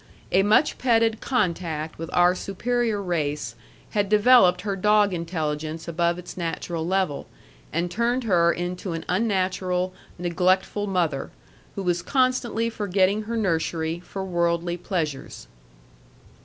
A much petted contact with our superior race had developed her dog intelligence above its natural level, and turned her into an unnatural, neglectful mother, who was constantly forgetting her nursery for worldly pleasures.